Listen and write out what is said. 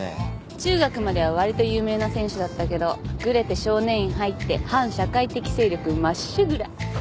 中学まではわりと有名な選手だったけどぐれて少年院入って反社会的勢力まっしぐら。